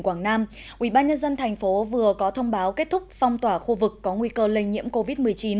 ủy ban nhân dân thành phố vừa có thông báo kết thúc phong tỏa khu vực có nguy cơ lây nhiễm covid một mươi chín